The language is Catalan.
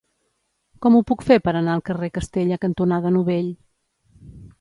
Com ho puc fer per anar al carrer Castella cantonada Novell?